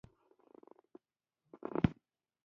د ننګ يوسفزۍ د پېدايش پۀ وخت